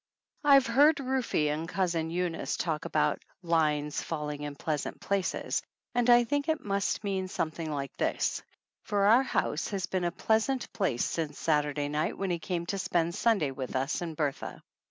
I've heard Rufe and Cousin Eunice talk about "lines falling in pleasant places," and I think it must mean something like this, for our house has been a pleasant place since Saturday night when he came to spend Sunday with us and Bertha.